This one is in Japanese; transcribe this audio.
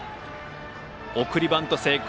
送りバント成功。